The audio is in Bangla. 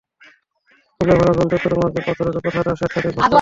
ফুলে ভরা গোল চত্বরের মাঝে পাথরের ওপর সাদা শেখ সাদীর ভাস্কর্য।